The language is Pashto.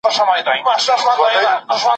د کارمندانو روزنه د کیفیت لامل دی.